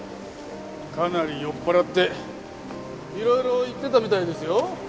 かなり酔っ払っていろいろ言ってたみたいですよ。